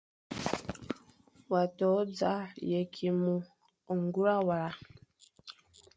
Wa to dia ye kî e mo ñgura awela ?